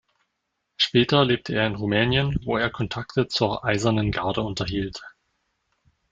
Später lebte er in Rumänien, wo er Kontakte zur Eisernen Garde unterhielt.